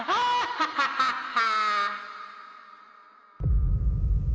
ハハハッハ！